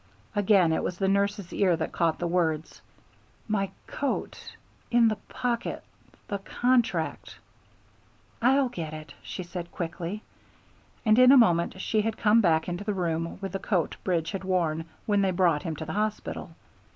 Again it was the nurse's ear that caught the words, "My coat in the pocket the contract." "I'll get it," she said quickly, and in a moment she had come back into the room, with the coat Bridge had worn when they brought him to the hospital.